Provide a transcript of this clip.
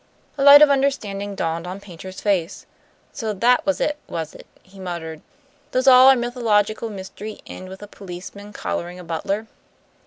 A light of understanding dawned on Paynter's face. "So that was it, was it!" he muttered. "Does all our mythological mystery end with a policeman collaring a butler?